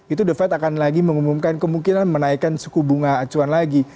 itu the fed akan lagi mengumumkan kemungkinan menaikkan suku bunga acuan lagi